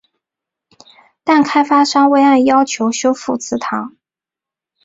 但开发商未按要求修复祠堂。